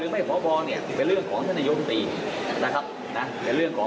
เรียกว่าสมัยและวัคลับชัดเจน